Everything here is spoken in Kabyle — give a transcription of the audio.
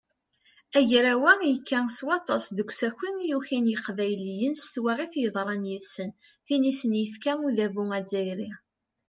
Agraw-a yekka s waṭas deg usaki i yukin yiqbayliyen s twaɣit yeḍran yid-sen, tin i sen-yefka udabu azzayri.